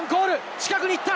近くに行った！